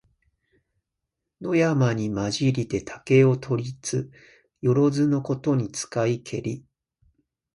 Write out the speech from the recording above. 野山にまじりて竹を取りつ、よろづのことに使いけり。